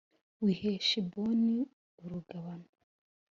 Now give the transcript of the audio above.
w i heshiboni urugabano